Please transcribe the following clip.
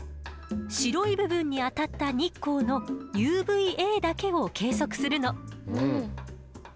白い部分に当たった日光のＵＶーＡだけを計測するの。